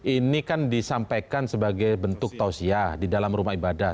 ini kan disampaikan sebagai bentuk tausiyah di dalam rumah ibadah